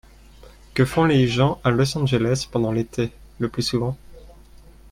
Que font les gens à Los Angeles pendant l'été le plus souvent ?